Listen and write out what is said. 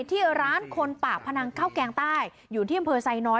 ที่ร้านคนปากพนังข้าวแกงใต้อยู่ที่อำเภอไซน้อย